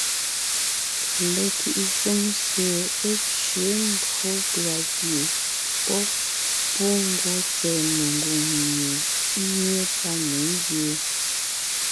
Lekwiʼi shúm sie é tsẅé mbwó pʉ̀a pie pɔ́ pú ngwɔ́ tsɛ̀ɛ mengwòŋ mie é nyé tá ne nzyéen.